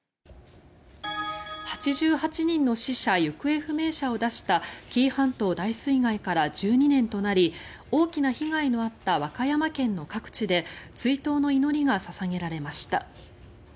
８８人の死者・行方不明者を出した紀伊半島大水害から１２年となり大きな被害のあった和歌山県の各地で追悼の祈りが捧げられました。